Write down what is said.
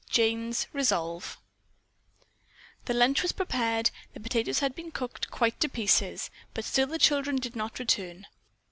JANE'S RESOLVE The lunch was prepared, the potatoes had cooked quite to pieces, but still the children did not return.